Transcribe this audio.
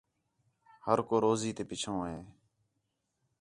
ہر کو روزی تے پِچّھوں ہِے